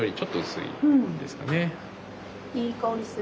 いい香りする。